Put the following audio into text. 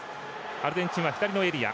アルゼンチンは左のエリア。